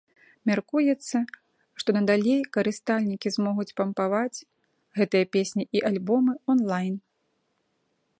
Мяркуецца, што надалей карыстальнікі змогуць пампаваць гэтыя песні і альбомы онлайн.